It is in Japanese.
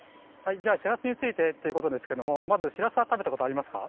じゃあしらすについてっていうことですけどもまずしらすはたべたことはありますか？